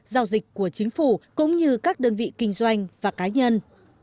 giao dịch của chính phủ cũng như các đơn vị kinh doanh và cá nhân